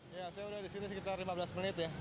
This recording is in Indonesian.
saya sudah di sini sekitar lima belas menit ya